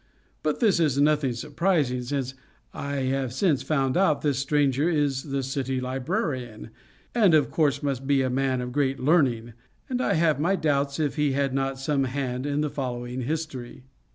But this is nothing surprising, as I have since found out this stranger is the city librarian; and, of course, must be a man of great learning; and I have my doubts if he had not some hand in the following history.